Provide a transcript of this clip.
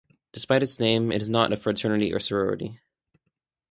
Despite its name, it is not a fraternity or sorority.